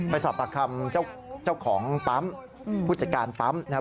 ไปสอบปากคำเจ้าของปั๊มผู้จัดการปั๊มนะครับ